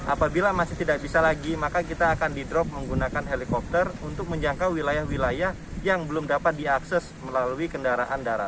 apabila masih tidak bisa lagi maka kita akan di drop menggunakan helikopter untuk menjangkau wilayah wilayah yang belum dapat diakses melalui kendaraan darat